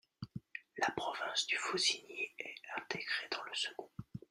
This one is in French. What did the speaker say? La province du Faucigny est intégrée dans le second.